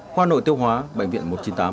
khoa nội tiêu hóa bệnh viện một trăm chín mươi tám